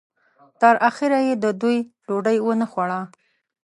تر اخره یې د دوی ډوډۍ ونه خوړه.